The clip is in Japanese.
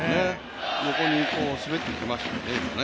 横に滑っていきましたよね、今。